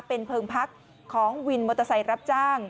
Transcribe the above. เป็นเพลิงพักของวินมอเตอร์ไซค์รับจ้าง